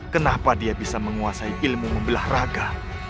kenapa dia bisa menguasai ilmu membelah raga